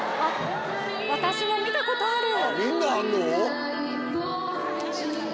私も見たことある！